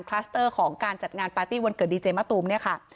สเตอร์ของการจัดงานปาร์ตี้วันเกิดดีเจมะตูมเนี่ยค่ะ